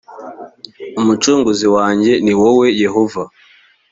umucunguzi wanjye ni wowe yehova